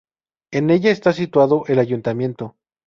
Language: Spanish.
En ella está situado el Ayuntamiento.